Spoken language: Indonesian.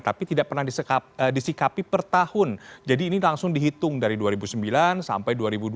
tapi tidak pernah disikapi per tahun jadi ini langsung dihitung dari dua ribu sembilan sampai dua ribu dua puluh